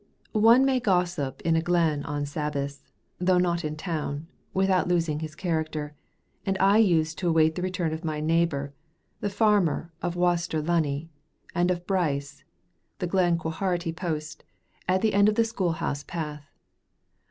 One may gossip in a glen on Sabbaths, though not in a town, without losing his character, and I used to await the return of my neighbor, the farmer of Waster Lunny, and of Birse, the Glen Quharity post, at the end of the school house path.